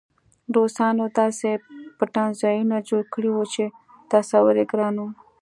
روسانو داسې پټنځایونه جوړ کړي وو چې تصور یې ګران و